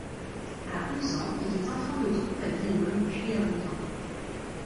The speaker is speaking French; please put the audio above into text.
À onze ans, il est enfant de troupe à Billom puis à Autun.